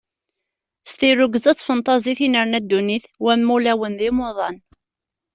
S tirrugza d tfenṭaẓit i nerna ddunit, wamma ulawen d imuḍan.